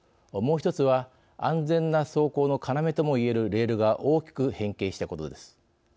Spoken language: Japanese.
もう１つは安全な走行の要ともいえるレールが大きく変形したことです。